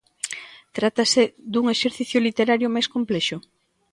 Trátase dun exercicio literario máis complexo?